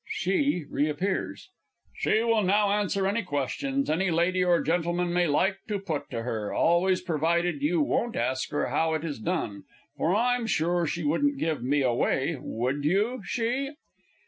(SHE reappears.) She will now answer any questions any lady or gentleman may like to put to her, always provided you won't ask her how it is done for I'm sure she wouldn't give me away, would you, She?